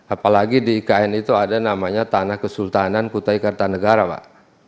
apalagi di ikn itu ada namanya tanah kesultanan kutai kartanegara pak